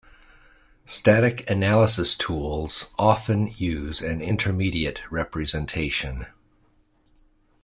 Static analysis tools often use an intermediate representation.